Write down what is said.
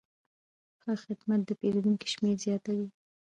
ښه خدمت د پیرودونکو شمېر زیاتوي.